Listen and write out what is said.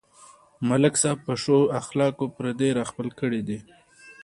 ملک صاحب په ښو اخلاقو پردي راخپل کړي دي.